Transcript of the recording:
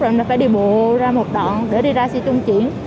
rồi phải đi bộ ra một đoạn để đi ra xe chung chuyển